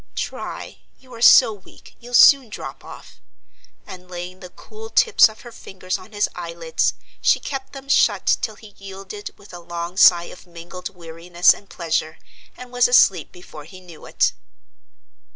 "Try, you are so weak, you'll soon drop off;" and, laying the cool tips of her fingers on his eyelids, she kept them shut till he yielded with a long sigh of mingled weariness and pleasure, and was asleep before he knew it.